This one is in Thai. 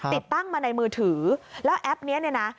ติดตั้งมาในมือถือแล้วแอปนี้เนี่ยนะ